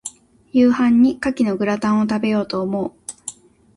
夕飯に牡蠣のグラタンを、食べようと思う。